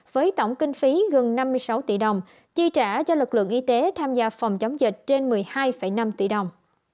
với tổng kinh phí gần năm mươi sáu tỷ đồng chi trả cho lực lượng y tế tham gia phòng chống dịch trên một mươi hai năm tỷ đồng